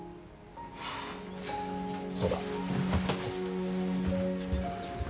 そうだ。